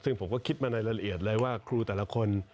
ซึ่งผมก็คิดมาในละเอียดเลยว่าครูแต่ละคน